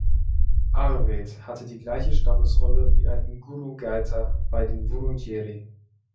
Arweet hatte die gleiche Stammesrolle wie ein Ngurungaeta bei den Wurundjeri.